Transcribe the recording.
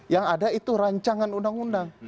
yang ada itu rancangan undang undang